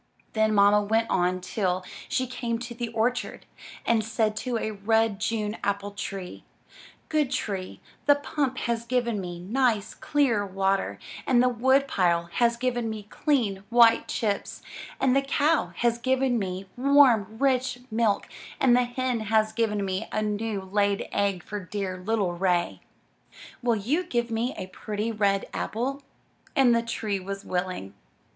Then mamma went on till she came to the orchard, and said to a Red June apple tree: Good Tree, the pump has given me nice, clear water, and the wood pile has given me clean, white chips, and the cow has given me warm, rich milk, and the hen has given me a new laid egg for dear little Ray. Will you give me a 73 MY BOOK HOUSE pretty red apple?" And the tree was willing.